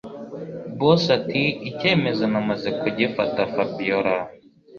Boss atiicyemezo namaze kugifata Fabiora